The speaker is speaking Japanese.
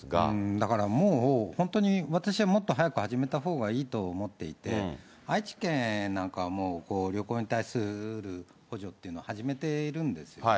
だからもう、本当に私はもっと早く始めたほうがいいと思っていて、愛知県なんかはもう旅行に対する補助っていうのを始めているんですよね。